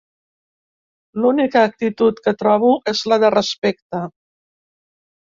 L'única actitud que trobo és la de respecte.